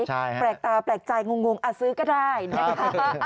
แปลกตาแปลกใจงงซื้อก็ได้นะคะ